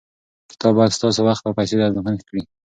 کتاب باید ستاسو وخت او پیسې ارزښتمن کړي.